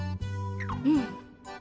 うん。